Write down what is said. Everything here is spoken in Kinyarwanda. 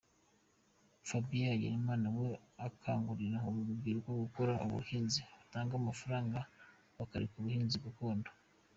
Fabien Hagenimana we akangurira uru rubyiruko gukora ubuhinzi butanga amafaranga bakareka ubuhinzi gakondo.